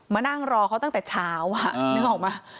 มานั่งรอเขาตั้งแต่เช้านึกออกไหม